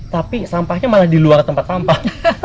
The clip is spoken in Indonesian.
tapi sampahnya malah di luar tempat sampah